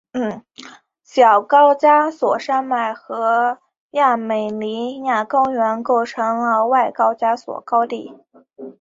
小高加索山脉和亚美尼亚高原构成了外高加索高地。